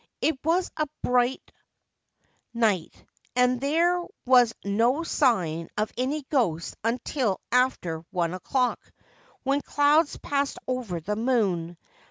It was a bright night, and there was no sign of any ghost until after one o'clock, when clouds passed over the moon.